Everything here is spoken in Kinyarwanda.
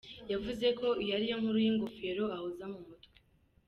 Yavuze ko iyo ariyo nkuru y’ingofero ahoza mu mutwe.